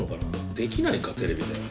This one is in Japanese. できないかテレビで。